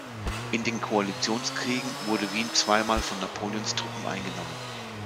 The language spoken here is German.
In den Koalitionskriegen wurde Wien zweimal von Napoleons Truppen eingenommen.